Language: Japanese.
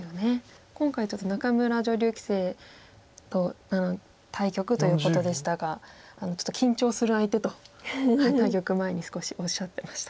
今回ちょっと仲邑女流棋聖と対局ということでしたがちょっと緊張する相手と対局前に少しおっしゃってました。